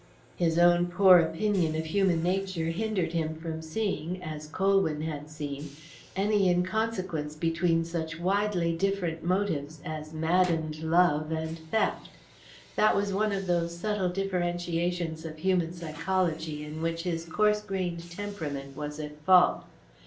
His own poor opinion of human nature hindered him from seeing, as Colwyn had seen, any inconsequence between such widely different motives as maddened love and theft; that was one of those subtle differentiations of human psychology in which his coarse grained temperament was at fault.